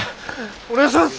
お願いします！